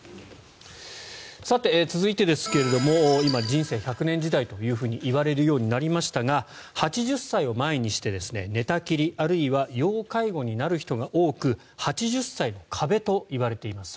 さて今、人生１００年時代といわれるようになりましたが８０歳を前にして寝たきり、あるいは要介護になる人が多く８０歳の壁といわれています。